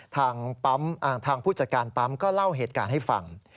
ทางผู้จัดการปั๊มก็เล่าเหตุการณ์ให้ฟัง